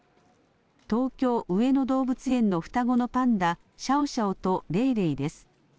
東京上野動物園の双子のパンダ、シャオシャオとレイレイです。